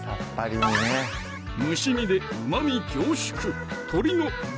蒸し煮でうまみ凝縮